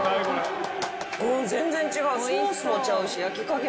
全然違う。